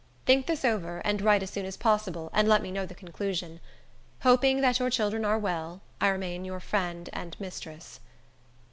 Think this over, and write as soon as possible, and let me know the conclusion. Hoping that your children are well, I remain your friend and mistress.